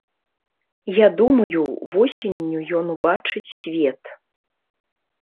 Я думаю, восенню ён убачыць свет.